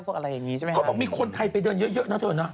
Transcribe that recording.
เขาบอกมีคนไทยไปเดินเยอะเนอะเธอน่ะ